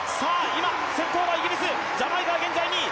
今、先頭はイギリス、ジャマイカは２位。